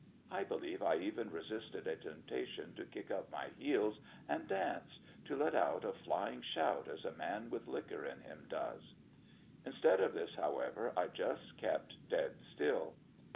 I believe I even resisted a temptation to kick up my heels and dance, to let out a flying shout as a man with liquor in him does. Instead of this, however, I just kept dead still.